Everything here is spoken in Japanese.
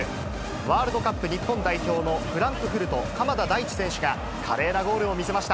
ワールドカップ日本代表のフランクフルト、鎌田大地選手が、華麗なゴールを見せました。